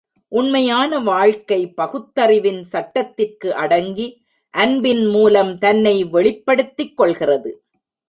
உண்மையான வாழ்க்கை பகுத்தறிவின் சட்டத்திற்கு அடங்கி, அன்பின் மூலம் தன்னை வெளிப்படுத்திக் கொள்கிறது.